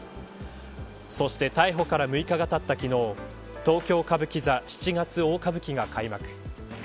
そして逮捕から６日がたった昨日東京歌舞伎座七月大歌舞伎が開幕。